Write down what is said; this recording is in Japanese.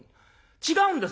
「違うんです。